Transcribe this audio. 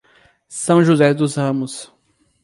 São José dos Ramos